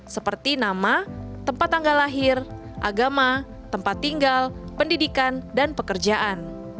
seperti nama tempat tanggal lahir agama tempat tinggal pendidikan dan pekerjaan